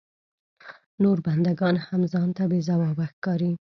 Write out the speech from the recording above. نور بنده ګان هم ځان ته بې ځوابه ښکاري.